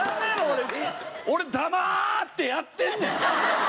俺黙ってやってんねん！